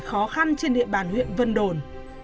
khó khăn trên địa bàn huyện vân đồn